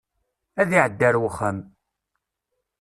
Ad iɛeddi ar wexxam.